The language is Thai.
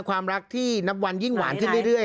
ความรักที่นับวันยิ่งหวานขึ้นเรื่อย